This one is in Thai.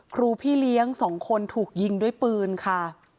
ครูพี่เลี้ยง๒คนถูกยิงด้วยปืนค่ะ